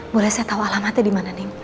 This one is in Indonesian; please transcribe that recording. boleh saya tau alamatnya dimana neng